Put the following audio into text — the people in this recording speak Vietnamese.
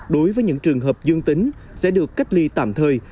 đối với những trường hợp dương tính sẽ được cách ly tạm thời